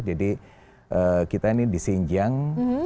jadi kita ini di xinjiang